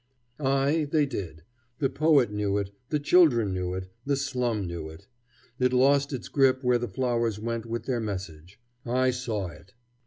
Ay, they did. The poet knew it; the children knew it; the slum knew it. It lost its grip where the flowers went with their message. I saw it.